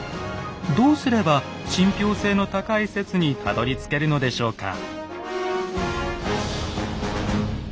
どうすれば信ぴょう性の高い説にたどりつけるのでしょうか？